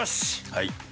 はい。